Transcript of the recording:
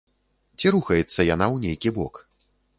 Ці рухаецца яна ў нейкі бок?